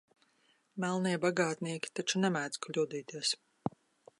Melnie bagātnieki taču nemēdz kļūdīties.